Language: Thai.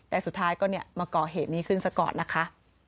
แต่สุดท้ายก็เนี่ยมาก่อเหตุนี้ขึ้นสกอร์ตนะคะ